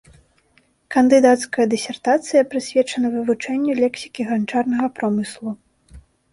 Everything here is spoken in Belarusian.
Кандыдацкая дысертацыя прысвечана вывучэнню лексікі ганчарнага промыслу.